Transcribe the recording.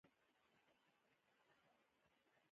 سرعت د واټن او وخت په ویشلو سره ترلاسه کېږي.